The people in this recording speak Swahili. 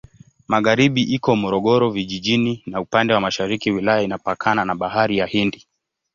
Magharibi iko Morogoro Vijijini na upande wa mashariki wilaya inapakana na Bahari ya Hindi.